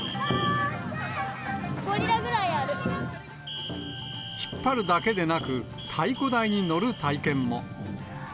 ゴリラぐらい引っ張るだけでなく、太鼓台に乗る体験も。